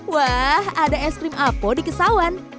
wah ada es krim apo di kesawan